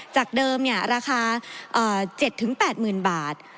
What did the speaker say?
จากเดิมราคา๗๘๐๐๐บาท